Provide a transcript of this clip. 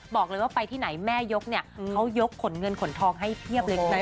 บอกเลยว่าไปที่ไหนแม่ยกเนี่ยเขายกขนเงินขนทองให้เพียบเลยนะ